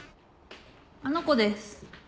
あの子です。